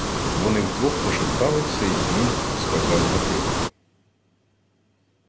Вони вдвох пошепталися, й Плінф сказав Гатилові: